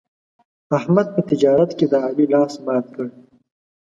احمد په تجارت کې د علي لاس مات کړ.